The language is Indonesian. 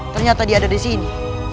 ternyata dia ada di sini